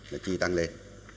nó chỉ tăng lên